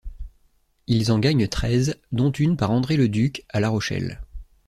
Ils en gagnent treize, dont une par André Leducq à La Rochelle.